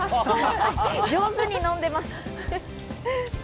上手に飲んでいます。